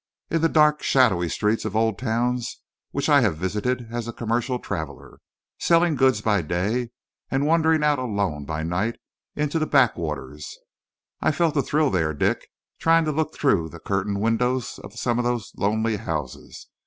In the dark, shadowy streets of old towns which I have visited as a commercial traveller, selling goods by day and wandering out alone by night into the backwaters. I've felt the thrill there, Dick, trying to look through the curtained windows of some of those lonely houses.